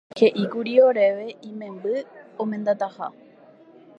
He'íkuri oréve imemby omendataha.